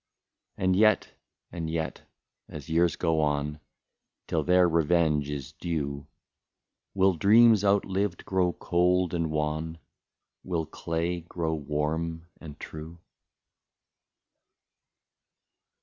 And yet, and yet, as years go on, Till their revenge is due, Will dreams outlived grow cold and wan, Will clay grow warm and true